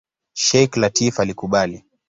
Sheikh Lateef alikubali.